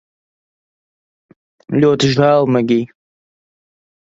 Ļoti žēl, Megij